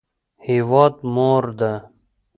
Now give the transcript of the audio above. هیواد مور ده